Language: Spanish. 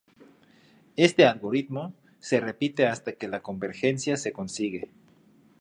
Este algoritmo se repite hasta que la convergencia se consigue.